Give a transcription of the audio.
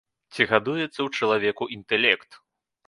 Ці гадуецца ў чалавеку інтэлект?